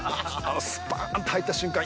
スパーンと入った瞬間